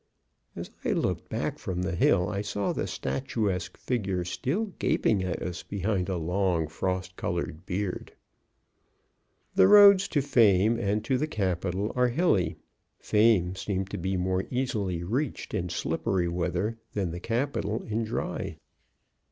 As I looked back from the hill, I saw the statuesque figure still gaping at us behind a long, frost colored beard. The roads to fame and to the capitol are hilly. Fame seemed to be more easily reached in slippery weather than the capitol in dry.